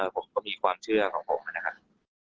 ผมก็มีความเชื่อของผมนะครับ